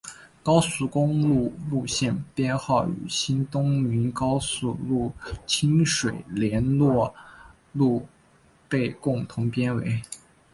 高速公路路线编号与新东名高速公路清水联络路被共同编为。